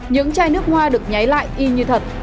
những chai nước hoa được nhái lại y như thật